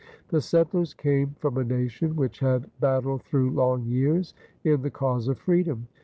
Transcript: The settlers came from a nation which had battled through long years in the cause of freedom.